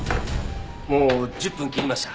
もう１０分切りました。